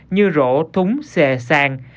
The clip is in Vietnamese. như rổ thúng xệ sàng